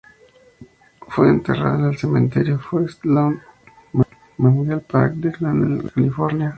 Fue enterrada en el Cementerio Forest Lawn Memorial Park de Glendale, California.